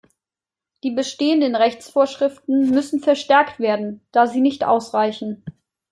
Die bestehenden Rechtsvorschriften müssen verstärkt werden, da sie nicht ausreichen.